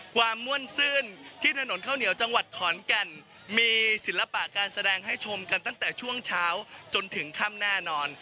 ม่วนซื่นที่ถนนข้าวเหนียวจังหวัดขอนแก่นมีศิลปะการแสดงให้ชมกันตั้งแต่ช่วงเช้าจนถึงค่ำแน่นอน